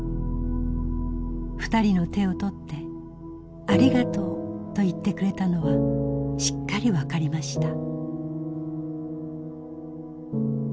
２人の手を取って『ありがとう』と言ってくれたのはしっかりわかりました」。